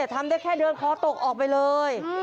ทำได้แค่เดินคอตกออกไปเลย